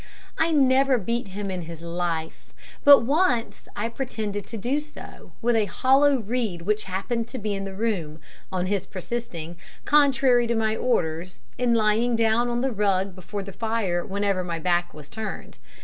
I never beat him in his life; but once I pretended to do so, with a hollow reed which happened to be in the room, on his persisting, contrary to my orders, in lying down on the rug before the fire whenever my back was turned.